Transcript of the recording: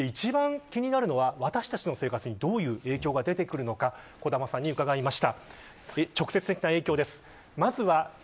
一番気になるのは、私たちの生活にどのような影響が出るか小玉さんに伺いました。